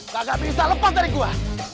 maka bisa lepas dari gua